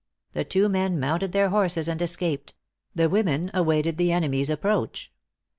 The two men mounted their horses and escaped: the women awaited the enemy's approach.